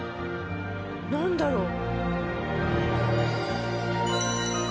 何だろう？